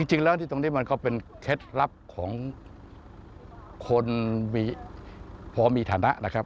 จริงแล้วที่ตรงนี้มันก็เป็นเคล็ดลับของคนพอมีฐานะนะครับ